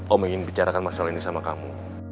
om ingin bicarakan masalah ini sama kamu